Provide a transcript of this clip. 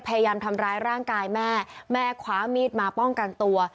พยายามทำร้ายร่างกายแม่แม่คว้ามีดมาป้องกันตัว